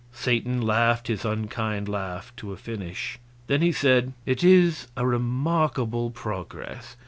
Satan laughed his unkind laugh to a finish; then he said: "It is a remarkable progress.